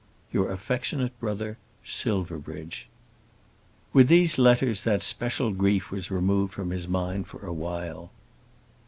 Your affectionate Brother, SILVERBRIDGE. With these letters that special grief was removed from his mind for awhile.